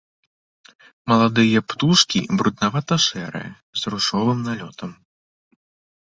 Маладыя птушкі бруднавата-шэрыя, з ружовым налётам.